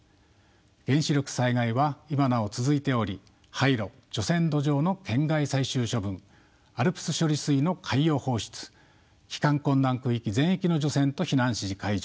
原子力災害は今なお続いており廃炉除染土壌の県外最終処分ＡＬＰＳ処理水の海洋放出帰還困難区域全域の除染と避難指示解除